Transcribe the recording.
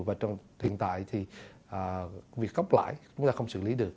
và trong hiện tại thì việc góc lãi chúng ta không xử lý được